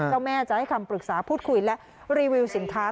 เจ้าแม่จะให้คำปรึกษาพูดคุยและรีวิวสินค้า